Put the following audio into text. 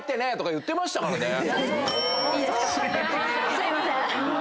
すいません。